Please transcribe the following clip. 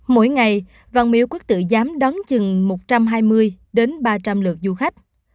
mỗi ngày văn miễu quốc tự giám đón chừng một trăm hai mươi đến ba trăm linh lượt du khách